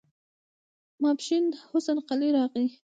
ماسپښين حسن قلي راغی.